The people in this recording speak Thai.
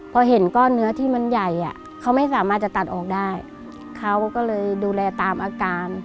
พอเห็นก้อนเนื้อที่มันใหญ่อ่ะเขาไม่สามารถจะตัดออกได้เขาก็เลยดูแลตามอาการ